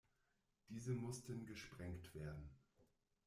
Diese mussten gesprengt werden.